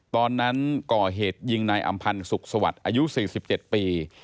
ตอนนั้นก่อเหตุยิงนายอำพันธ์สุขสวัสดิ์อายุ๔๗ปี